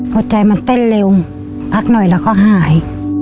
พอใจมันเต้นเร็วพักหน่อยแล้วก็หาย